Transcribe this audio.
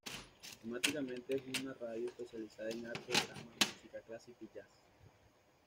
Temáticamente es una radio especializada en arte, drama, música clásica y jazz.